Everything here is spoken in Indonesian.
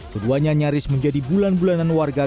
keduanya nyaris menjadi bulan bulanan warga